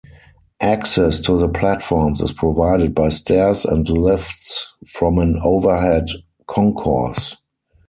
Access to the platforms is provided by stairs and lifts from an overhead concourse.